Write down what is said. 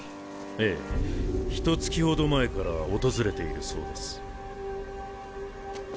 ええひとつきほど前から訪れているそうです。